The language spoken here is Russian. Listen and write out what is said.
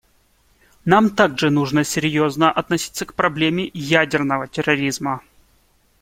Нам также нужно серьезно относиться к проблеме ядерного терроризма.